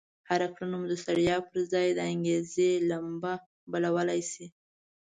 هره کړنه مو د ستړيا پر ځای د انګېزې لمبه بلولای شي.